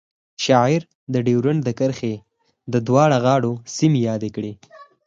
شاعر د ډیورنډ د کرښې دواړو غاړو سیمې یادې کړې